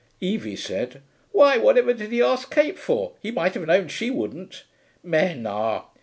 Evie said, 'Why, whatever did he ask Kate for? He might have known she wouldn't.... Men are